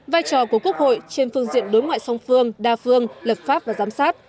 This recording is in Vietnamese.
vai trò của quốc hội trên phương diện đối ngoại song phương đa phương lập pháp và giám sát